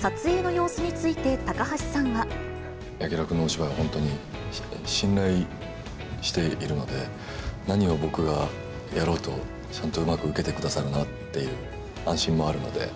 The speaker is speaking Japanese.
撮影の様子について高橋さんは。柳楽君のお芝居を本当に信頼しているので、何を僕がやろうと、ちゃんとうまく受けてくださるなっていう安心もあるので。